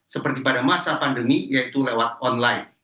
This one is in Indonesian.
seperti pada masa pandemi yaitu lewat online